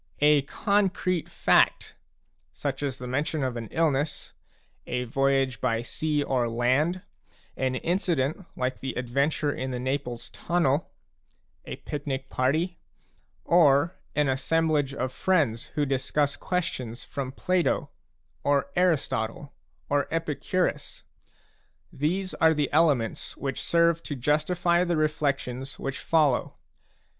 A concrete fact, such as the mention of an illness, a voyage by sea or land, an incident like the adventure in the Naples tunnel, a picnic party, or an assemblage of friends who discuss questions from Plato, or Aristotle, or Epicurus, — these are the elements which serve to justify the reflections which follow.